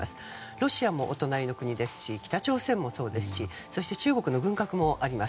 ロシアもお隣の国ですし北朝鮮もそうですし中国の文革もあります。